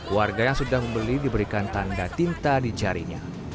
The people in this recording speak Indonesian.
warga yang sudah membeli diberikan tanda tinta di jarinya